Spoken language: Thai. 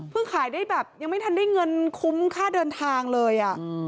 ขายได้แบบยังไม่ทันได้เงินคุ้มค่าเดินทางเลย